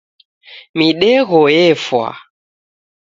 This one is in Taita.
Midegho yefwa.